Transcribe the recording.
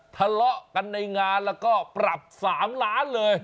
ทะเลาะกันในงานแล้วก็ปรับ๓ล้านเลย